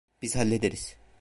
Biz hallederiz.